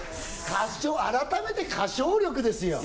改めて歌唱力ですよ。